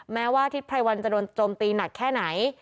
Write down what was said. แม้ว่าทิศไพรวันจะโดนโจมตีหนักแค่ไหน